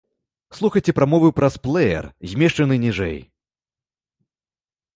Слухайце прамовы праз плэер, змешчаны ніжэй.